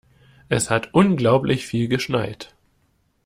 Es hat unglaublich viel geschneit.